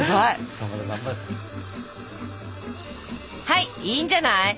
はいいいんじゃない。